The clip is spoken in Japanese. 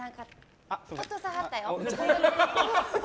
落とさはったよ。